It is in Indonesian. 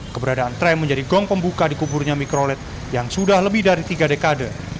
keberadaan tram menjadi gong pembuka di kuburnya mikroled yang sudah lebih dari tiga dekade